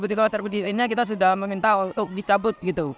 dua ribu tiga belas dua ribu empat belas ini kita sudah meminta untuk dicabut gitu